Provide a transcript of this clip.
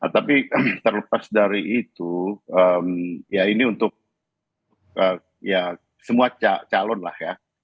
tapi terlepas dari itu ya ini untuk ya semua calon lah ya